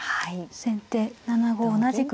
先手７五同じく銀。